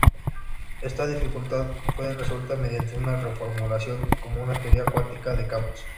Esta dificultad fue resuelta mediante su reformulación como una teoría cuántica de campos.